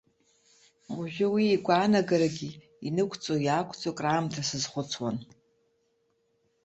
Уажәы уи игәаанагарагьы инықәҵо-иаақәҵо краамҭа сазхәыцуан.